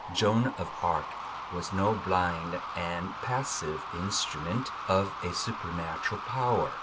Joan of Arc was no blind and passive instrument of a supernatural power.